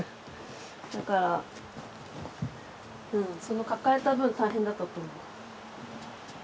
だからその抱えた分大変だと思います。